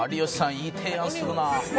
いい提案するなあ」